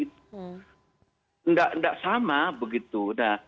tidak sama begitu